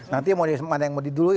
nanti mana yang mau didului